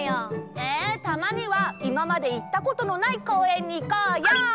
たまにはいままでいったことのないこうえんにいこうよ！